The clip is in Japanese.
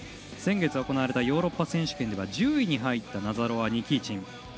先月、行われたヨーロッパ選手権では１０位に入ったナザロワ、ニキーチン。